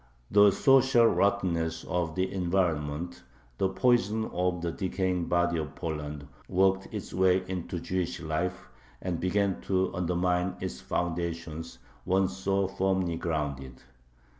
The social rottenness of the environment, the poison of the decaying body of Poland, worked its way into Jewish life, and began to undermine its foundations, once so firmly grounded.